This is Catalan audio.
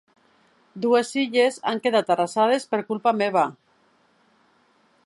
Dues illes han quedat arrasades per culpa meva!